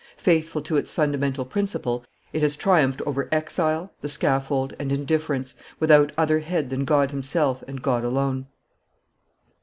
Faithful to its fundamental principle, it has triumphed over exile, the scaffold, and indifference, without other head than God himself and God alone.